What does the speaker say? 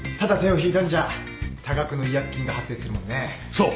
そう。